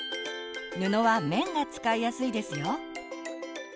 布は綿が使いやすいですよ。